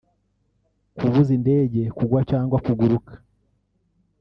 kubuza indege kugwa cyangwa kuguruka